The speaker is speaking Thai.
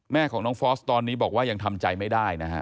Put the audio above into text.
แม่ของน้องฟอสตอนนี้บอกว่ายังทำใจไม่ได้นะฮะ